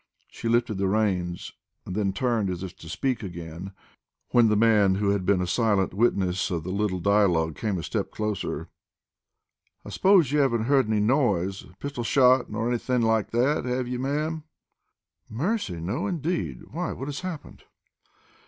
She lifted the reins, and then turned as if to speak again when the man who had been a silent witness of the little dialogue came a step nearer. "I s'pose you hav'n't heard any noise a pistol shot nor anythin' like that, have ye, ma'am?" "Mercy! No, indeed! Why, what has happened?"